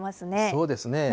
そうですね。